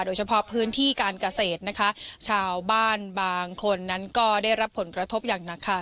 โดยเฉพาะพื้นที่การเกษตรนะคะชาวบ้านบางคนนั้นก็ได้รับผลกระทบอย่างหนักค่ะ